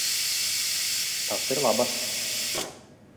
Tas ir labas.